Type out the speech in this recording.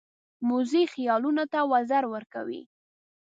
موزیک خیالونو ته وزر ورکوي.